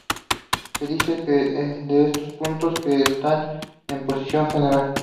Se dice de estos puntos que están en posición general.